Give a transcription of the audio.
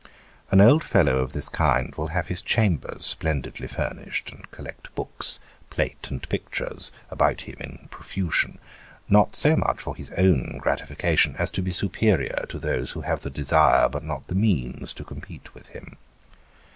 An old fellow of this kind will have his chambers splendidly furnished, and collect books, plate, and pictures about him in profusion ; not so much for his own gratification, as to be superior to those who have the desire, but not the means, to compete with him.